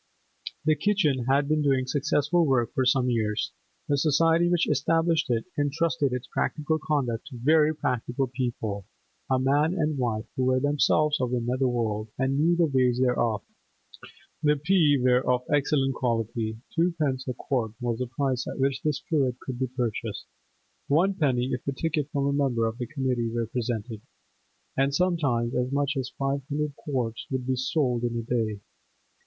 The kitchen had been doing successful work for some years; the society which established it entrusted its practical conduct to very practical people, a man and wife who were themselves of the nether world, and knew the ways thereof. The 'stock' which formed the basis of the soup was wholesome and nutritious; the peas were of excellent quality; twopence a quart was the price at which this fluid could be purchased (one penny if a ticket from a member of the committee were presented), and sometimes as much as five hundred quarts would be sold in a day.